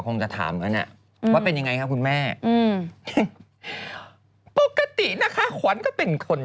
คงจะถามกันอ่ะว่าเป็นยังไงคะคุณแม่อืมปกตินะคะขวัญก็เป็นคน